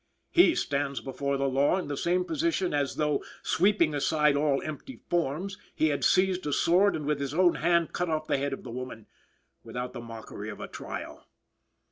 He stands before the law in the same position as though, sweeping aside all empty forms, he had seized a sword and with his own hand cut off the head of the woman, without the mockery of a trial.